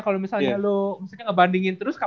kalau misalnya lo maksudnya ngebandingin terus